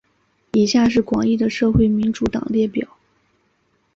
以下是广义的社会民主党列表。